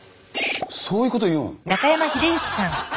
そういうこと言うん？